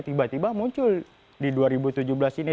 tiba tiba muncul di dua ribu tujuh belas ini